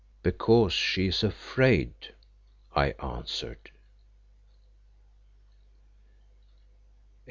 "Because she is afraid," I answered.